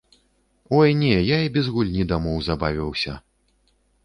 Ой не, я і без гульні дамоў забавіўся!